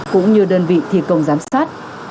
cũng như đơn vị thi công giám sát